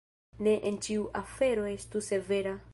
Ne en ĉiu afero estu severa.